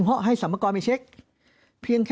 เพราะอาชญากรเขาต้องปล่อยเงิน